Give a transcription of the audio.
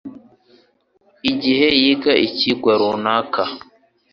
igihe yiga icyigwa runaka